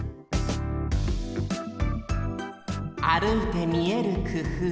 あるいてみえるくふう。